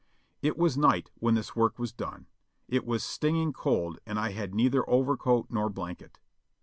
It was night when this work was done ; it was stinging cold and I had neither overcoat nor blanket.